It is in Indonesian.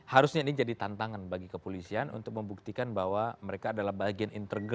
harusnya ini jadi tantangan bagi kepolisian untuk membuktikan bahwa mereka adalah bagian integritas